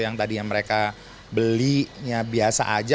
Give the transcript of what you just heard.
yang tadi yang mereka belinya biasa aja